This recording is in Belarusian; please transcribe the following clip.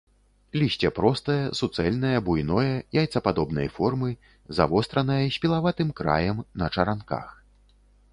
Лісце простае, суцэльнае, буйное, яйцападобнай формы, завостранае, з пілаватым краем, на чаранках.